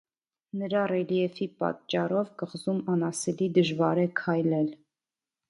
Նրա ռելիեֆի պատճառով, կղզում անասելի դժվար է քայլել։